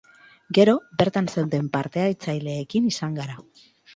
Gero, bertan zeuden parte-hartzaileekin izan gara.